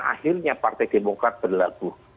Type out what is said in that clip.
akhirnya partai demokrat berlaku